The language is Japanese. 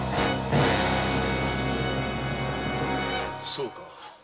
そうか。